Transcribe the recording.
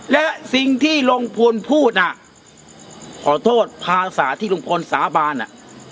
และสิ่งที่ลุงพลพูดน่ะขอโทษภาษาที่ลุงพลสาบานอ่ะ